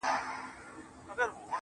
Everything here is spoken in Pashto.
ماته هينداره څو نارونه او د خدای تصور,